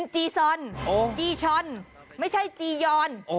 จีซอนจีชอนไม่ใช่จียอน